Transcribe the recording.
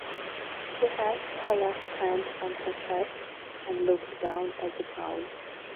She has her left hand on her chest and looks down at the ground.